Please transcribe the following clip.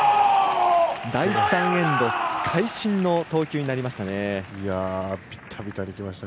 第３エンド会心の投球になりました。